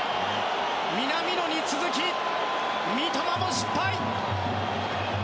南野に続き、三笘も失敗。